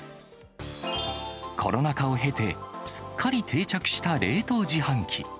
コロナ禍を経て、すっかり定着した冷凍自販機。